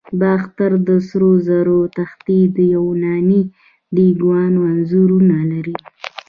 د باختر د سرو زرو تختې د یوناني دیوگانو انځورونه لري